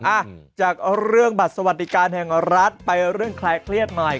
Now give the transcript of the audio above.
อ่ะจากเรื่องบัตรสวัสดิการแห่งรัฐไปเรื่องคลายเครียดหน่อย